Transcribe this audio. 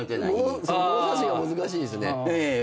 物差しが難しいですね。